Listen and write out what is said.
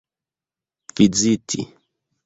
viziti